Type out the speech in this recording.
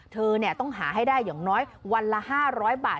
เธอต้องหาให้ได้อย่างน้อยวันละ๕๐๐บาท